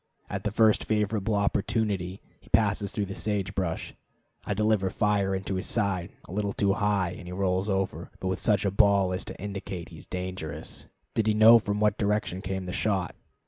At the first favorable opportunity, as he passes through the sage brush, I deliver fire into his side, a little too high, and he rolls over, but with such a bawl as to indicate he is dangerous, did he know from what direction came the shot.